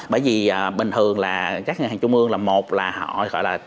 bởi vì bình thường là các ngân hàng trung ương là một là họ gọi là